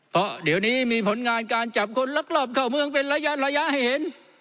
เพราะเดี๋ยวนี้มีผลงานการจับคนลักลอบเข้าเมืองเป็นระยะให้เห็น